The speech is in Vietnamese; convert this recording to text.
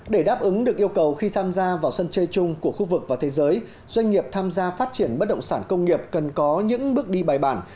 để đáp ứng được yêu cầu khi tham gia vào sân chơi chung của khu vực và thế giới doanh nghiệp tham gia phát triển bất động sản công nghiệp cần có những bước đi bài bản